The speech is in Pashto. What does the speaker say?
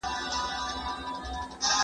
د شاه شجاع د مړینې خبر کابل ته ورسید.